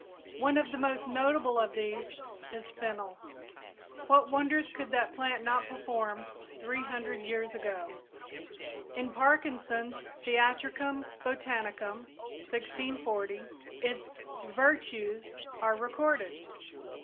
One of the most notable of these is fennel. What wonders could that plant not perform 300 years ago! In Parkinson's "Theatricum Botanicum" (1640) its "vertues" are recorded.